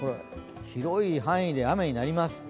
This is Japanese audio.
広い範囲で雨になります。